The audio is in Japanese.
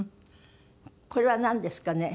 これはなんですかね？